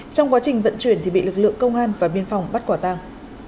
trong quá trình vận chuyển thì bị lực lượng công an và biên phòng bắt quả tàng